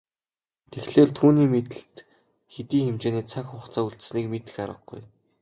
Тэгэхлээр түүний мэдэлд хэдий хэмжээний цаг хугацаа үлдсэнийг мэдэх аргагүй.